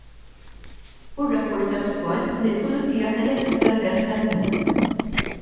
Hu rrappurtat ukoll li l-Pulizija kellha tuża l-gas tad-dmugħ.